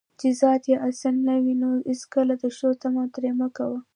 چې ذات یې اصلي نه وي، نو هیڅکله د ښو طمعه ترې مه کوه